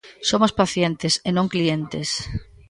Somos pacientes e non clientes.